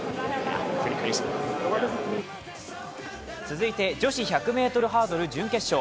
続いて、女子１００ｍハードル準決勝。